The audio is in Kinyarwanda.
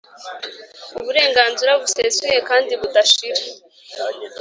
uburenganzira busesuye kandi budashira